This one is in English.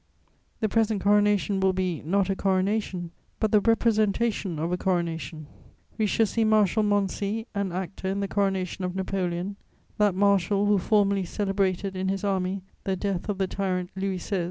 The present coronation will be, not a coronation, but the representation of a coronation: we shall see Marshal Moncey, an actor in the coronation of Napoleon; that marshal, who formerly celebrated in his army the death of the tyrant Louis XVI.